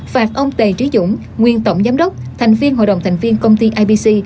phạt ông t trí dũng nguyên tổng giám đốc thành viên hội đồng thành viên công ty ipc